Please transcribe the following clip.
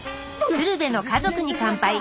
「鶴瓶の家族に乾杯」。